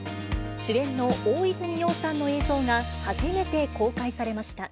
主演の大泉洋さんの映像が、初めて公開されました。